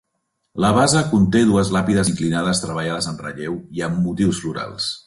La base conté dues làpides inclinades treballades en relleu i amb motius florals.